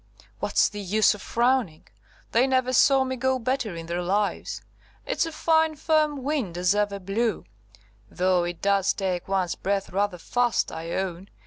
What's the use of frowning? They never saw me go better in their lives. It's a fine firm wind as ever blew, though it does take one's breath rather fast, I own.